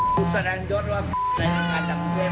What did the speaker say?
บิ๊บก็สดังยศว่าบิ๊บใส่ทางการจับช่วยมา